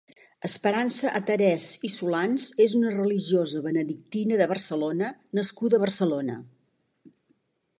Esperança Atarés i Solans és una religiosa benedictina de Barcelona nascuda a Barcelona.